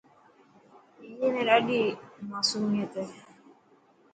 اي ۾ ڏاڏي ماصوميت هي.